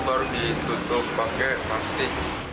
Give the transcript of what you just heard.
baru ditutup pakai plastik